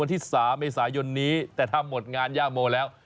แต่ถ้างานงานญ่าโมแล้ว